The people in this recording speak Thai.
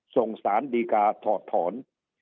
ส่งสารดีกาถอดถอน